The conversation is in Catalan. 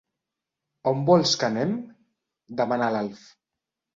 On vols que anem? —demana l'Alf.